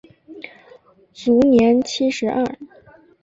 卒年七十二。